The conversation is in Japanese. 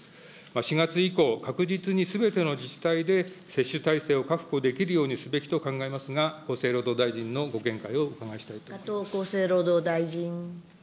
４月以降、確実にすべての自治体で接種体制を確保できるようにすべきと考えますが、厚生労働大臣のご見解をお伺いしたいと思います。